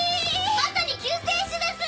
まさに救世主です！